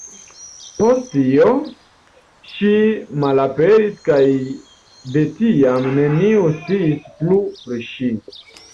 Post tio, ŝi malaperis kaj de tiam neniu sciis plu pri ŝi.